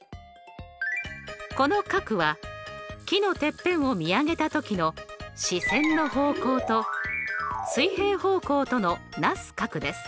この角は木のてっぺんを見上げた時の視線の方向と水平方向とのなす角です。